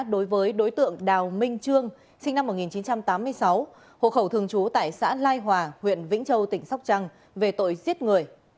đối với đối tượng đào minh trương sinh năm một nghìn chín trăm tám mươi sáu hộ khẩu thường trú tại xã lai hòa huyện vĩnh châu tỉnh sóc trăng về tội giết người